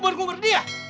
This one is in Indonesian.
bu berguber dia